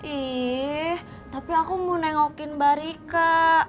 ih tapi aku mau nengokin mbak rika